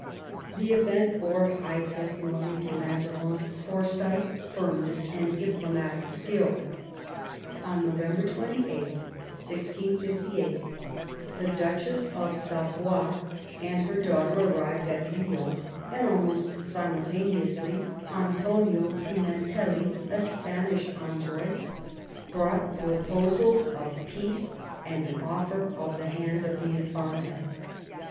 The event bore high testimony to Mazarin's foresight, firmness, and diplomatic skill. On November 28, 1658, the Duchess of Savoy and her daughter arrived at Lyons, and almost simultaneously Antonio Pimentelli, a Spanish envoy, brought proposals for peace and the offer of the hand of the Infanta.